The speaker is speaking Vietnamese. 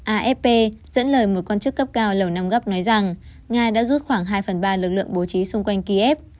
afp dẫn lời một quan chức cấp cao lầu năm góc nói rằng nga đã rút khoảng hai phần ba lực lượng bố trí xung quanh kiev